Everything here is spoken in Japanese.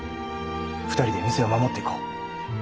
２人で店を守っていこう。